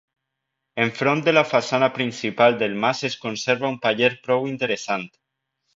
Enfront de la façana principal del mas es conserva un paller prou interessant.